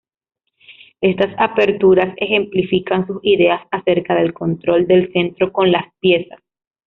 Estas aperturas ejemplifican sus ideas acerca del control del centro con las piezas.